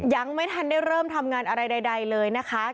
ยังไม่ทันได้เริ่มทำงานอะไรใดเลยนะคะ